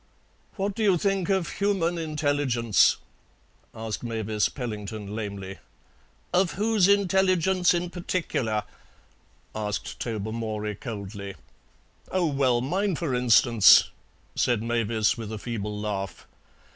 "What do you think of human intelligence?" asked Mavis Pellington lamely. "Of whose intelligence in particular?" asked Tobermory coldly. "Oh, well, mine for instance," said Mavis, with a feeble laugh.